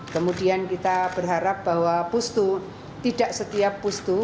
kemudian kita berharap bahwa pusku tidak setiap pusku